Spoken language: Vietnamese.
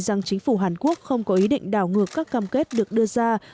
rằng chính phủ hàn quốc không có ý định đảo ngược các cam kết được đưa ra